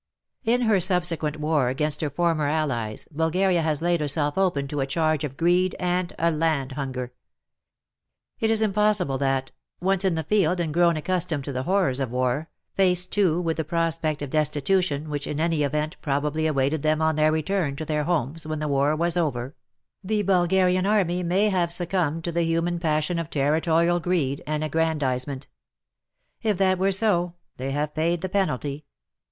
In her subsequent war against her former allies Bulgaria has laid herself open to a charge of greed and land hunger. It is possible that — once in the field and grown accustomed to the horrors of war, faced too with the prospect of destitution which in any event probably awaited them on their return to their homes when the war was over — the Bulgarian army may have succumbed to the human passion of territorial greed and aggrandizement. If that were so, they have paid the penalty.